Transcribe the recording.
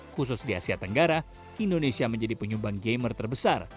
khusus di asia tenggara indonesia menjadi penyumbang gamer terbesar